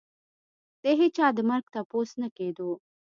د هېچا د مرګ تپوس نه کېدو.